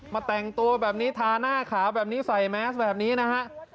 แต่งตัวแบบนี้ทาหน้าขาวแบบนี้ใส่แมสแบบนี้นะฮะ